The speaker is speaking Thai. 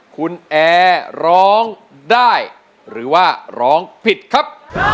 คุณแอร์ร้องได้หรือว่าร้องผิดครับ